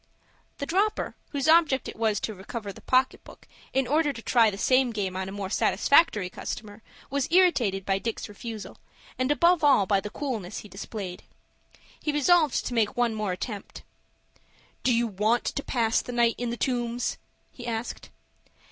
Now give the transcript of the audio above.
The "dropper," whose object it was to recover the pocket book, in order to try the same game on a more satisfactory customer, was irritated by Dick's refusal, and above all by the coolness he displayed. He resolved to make one more attempt. "Do you want to pass the night in the Tombs?" he asked.